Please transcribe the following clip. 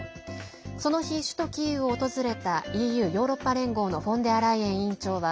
その日、首都キーウを訪れたＥＵ＝ヨーロッパ連合のフォンデアライエン委員長は